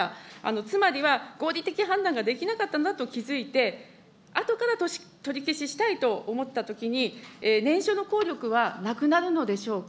つまりは合理的判断ができなかったのだと気づいて、あとから取り消ししたいと思ったときに、念書の効力はなくなるのでしょうか。